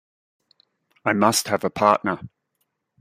I must have a partner.